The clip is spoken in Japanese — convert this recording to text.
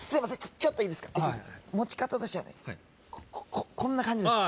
ちょっといいですか持ち方としてはねこんな感じなんですあ